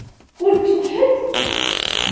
Ur ttuɣ ḥedd?